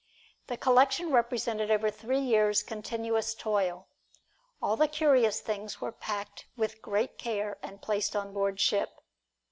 This collection represented over three years' continuous toil. All the curious things were packed with great care and placed on board ship.